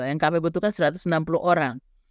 yang kami butuhkan satu ratus enam puluh orang